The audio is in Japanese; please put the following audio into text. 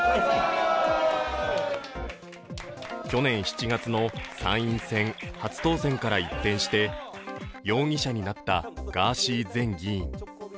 去年７月の参院選、初当選から一転して容疑者になったガーシー前議員。